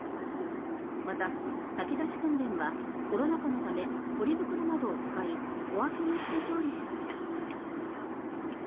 また、炊き出し訓練はコロナ禍のためポリ袋などを使い小分けにして調理しました。